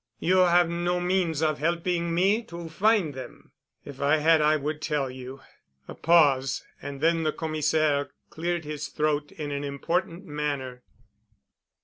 "You have no means of helping me to find them?" "If I had I would tell you." A pause. And then the Commissaire cleared his throat in an important manner.